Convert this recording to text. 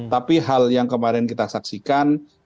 tapi hal yang kemarin kita saksikan